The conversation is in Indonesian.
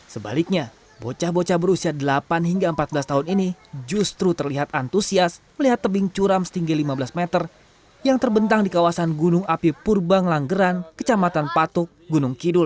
sebaliknya bocah bocah berusia delapan hingga empat belas tahun ini justru terlihat antusias melihat tebing curam setinggi lima belas meter yang terbentang di kawasan gunung api purbang langgeran kecamatan patuk gunung kidul